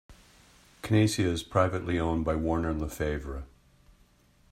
Kanacea is privately owned by Warner Lefevre.